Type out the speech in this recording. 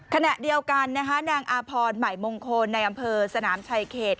ขณะเดียวกันนะคะนางอาพรใหม่มงคลในอำเภอสนามชายเขต